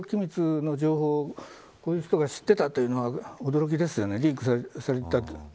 その最高機密の情報をこういう人が知っていたというのは驚きです。